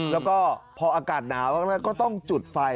แล้วก็พออากาศหนาวแล้วก็ต้องจุดไฟ